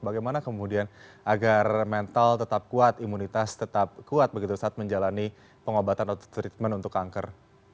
bagaimana kemudian agar mental tetap kuat imunitas tetap kuat begitu saat menjalani pengobatan atau treatment untuk kanker